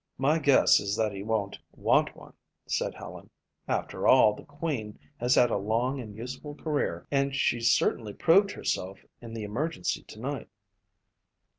"My guess is that he won't want one," said Helen. "After all, the Queen has had a long and useful career and she certainly proved herself in the emergency tonight."